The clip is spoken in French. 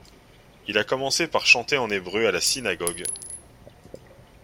Il a commencé par chanter en hébreu à la synagogue.